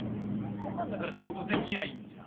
そんなんだから仕事できないんじゃん。